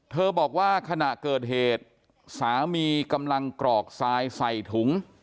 บอกว่าขณะเกิดเหตุสามีกำลังกรอกทรายใส่ถุง